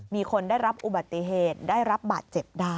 มีคนได้รับอุบัติเหตุได้รับบาดเจ็บได้